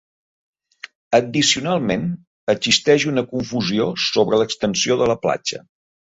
Addicionalment, existeix una confusió sobre l'extensió de la platja.